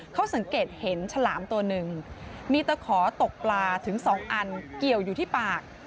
เขาสังเกตเห็นฉลามตัวหนึ่งมีตะขอตกปลาถึง๒อันเกี่ยวอยู่ที่ปาก